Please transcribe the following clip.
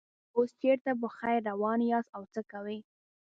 اوس چېرته په خیر روان یاست او څه کوئ.